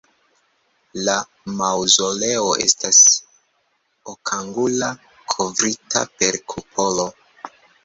La maŭzoleo estas okangula kovrita per kupolo.